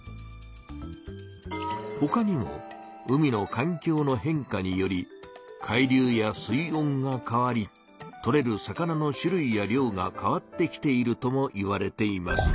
ほかにも「海の環境の変化」により海流や水温が変わりとれる魚の種類や量が変わってきているともいわれています。